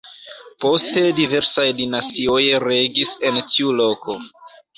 Poste diversaj dinastioj regis en tiu loko.